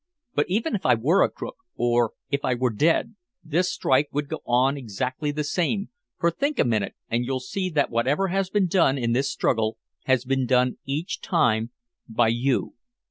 But even if I were a crook, or if I were dead, this strike would go on exactly the same for think a minute and you'll see that whatever has been done in this struggle has been done each time by you.